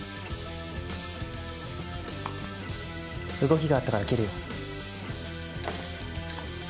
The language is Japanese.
動きがあったから切るよ。